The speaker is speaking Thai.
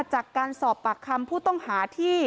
จากการสอบปากคำผู้ต้องหาที่